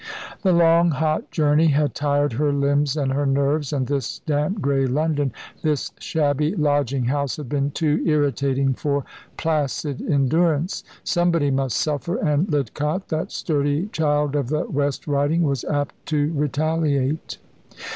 The long hot journey had tired her limbs and her nerves, and this damp, grey London, this shabby lodging house had been too irritating for placid endurance. Somebody must suffer; and Lidcott, that sturdy child of the West Riding, was apt to retaliate.